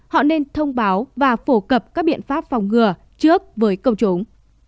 họ nên thông báo và phổ cập các biện pháp phòng ngừa trước với công chúng